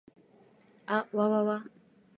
あっわわわ